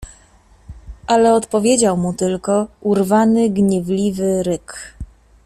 Ale odpowiedział mu tylko urwany, gniewliwy ryk.